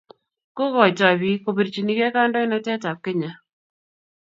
kogotoi biik kobirchinigei kandoinotetab Kenya